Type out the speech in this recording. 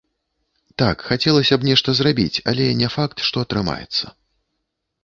Так, хацелася б нешта зрабіць, але не факт, што атрымаецца.